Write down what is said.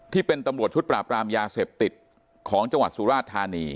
ที่เป็นตำรวจชุดปราบรามยาเสพติดของจังหวัดสุราชธานี